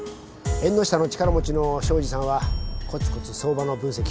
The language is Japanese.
縁の下の力持ちの庄司さんはコツコツ相場の分析。